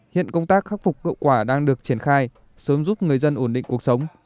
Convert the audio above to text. hiện công tác khắc phục hậu quả đang được triển khai sớm giúp người dân ổn định cuộc sống